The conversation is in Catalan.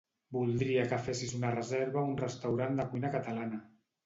Voldria que fessis una reserva a un restaurant de cuina catalana.